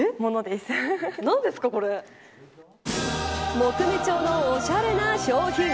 木目調のおしゃれな商品